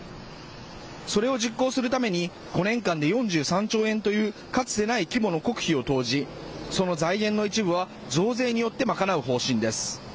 それを実行するために５年間で４３兆円というかつてない規模の国費を投じその財源の一部は増税によって賄う方針です。